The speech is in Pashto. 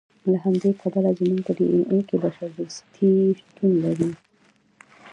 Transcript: له همدې امله زموږ په ډي اېن اې کې بشر دوستي شتون لري.